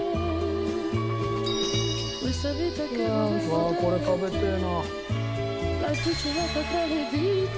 うわーこれ食べてえな。